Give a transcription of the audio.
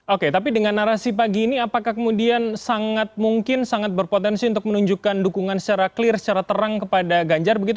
oke tapi dengan narasi pagi ini apakah kemudian sangat mungkin sangat berpotensi untuk menunjukkan dukungan secara clear secara terang kepada ganjar begitu